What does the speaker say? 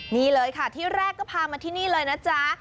นี่เลยค่ะที่แรกก็พามาที่นี่เลยนะจ๊ะ